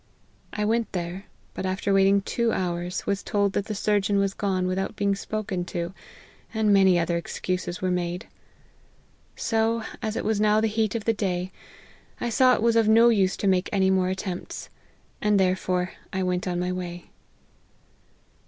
I went there : but after waiting two hours, was told that the surgeon was gone without being spoken to, and many other excuses \vere made. So, as it was now the heat of the day, I saw it was of no use to make any more attempts ; and therefore I went on my way."